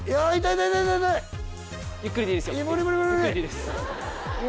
ゆっくりでいいですよ。